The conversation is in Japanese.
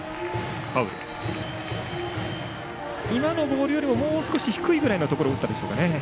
今のボールよりももう少し低いぐらいのボールを打ったでしょうか。